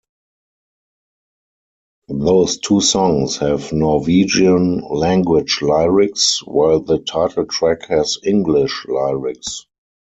Those two songs have Norwegian language lyrics, while the title track has English lyrics.